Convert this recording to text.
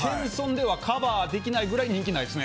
謙遜ではカバーできないぐらい人気がないです。